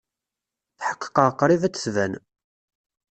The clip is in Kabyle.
Tḥeqqeɣ qrib ad d-tban.